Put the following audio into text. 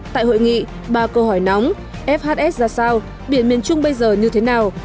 tại hội nghị ba câu hỏi nóng fhs ra sao biển miền trung bây giờ như thế nào